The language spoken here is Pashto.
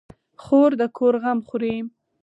خور د کور غم خوري.